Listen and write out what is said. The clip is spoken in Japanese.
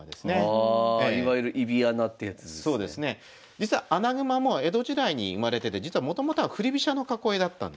実は穴熊も江戸時代に生まれてて実はもともとは振り飛車の囲いだったんですね。